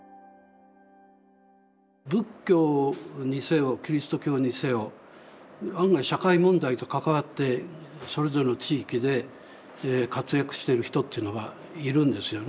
仏教にせよキリスト教にせよ案外社会問題と関わってそれぞれの地域で活躍してる人っていうのがいるんですよね